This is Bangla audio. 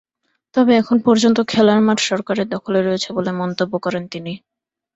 তবে এখন পর্যন্ত খেলার মাঠ সরকারের দখলে রয়েছে বলে মন্তব্য করেন তিনি।